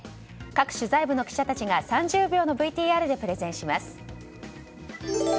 各取材部の記者たちが３０秒のＶＴＲでプレゼンします。